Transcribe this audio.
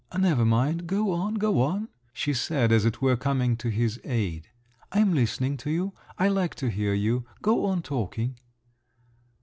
"Never mind, go on, go on," she said, as it were coming to his aid; "I'm listening to you. I like to hear you; go on talking."